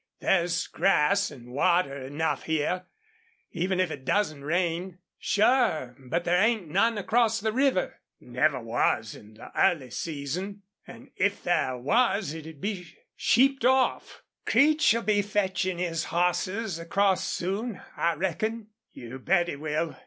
There's grass an' water enough here, even if it doesn't rain." "Sure, but there ain't none across the river." "Never was, in early season. An' if there was it'd be sheeped off." "Creech'll be fetchin' his hosses across soon, I reckon." "You bet he will.